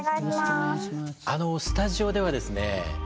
あのスタジオではですね